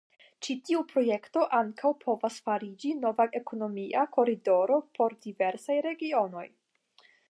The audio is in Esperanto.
Ĉi tiu projekto ankaŭ povas fariĝi nova ekonomia koridoro por diversaj regionoj.